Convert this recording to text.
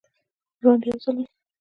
ژوند یو ځل وي